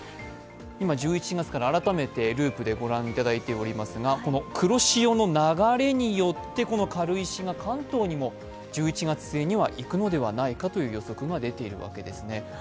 今１１月から改めてループで御覧いただいておりますが、黒潮の流れによって軽石が関東にも１１月末には行くのではないかという予測が出ているわけですね。